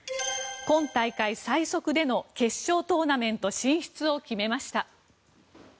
今大会最速での決勝トーナメント進出を決めました。